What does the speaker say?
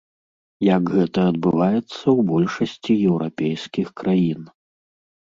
Як гэта адбываецца ў большасці еўрапейскіх краін.